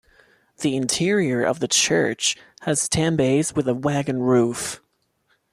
The interior of the church has ten bays with a wagon roof.